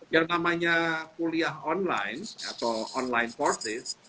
yang namanya kuliah online atau online porsis